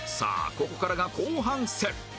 ここからが後半戦